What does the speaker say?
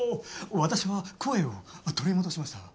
私は声を取り戻しました。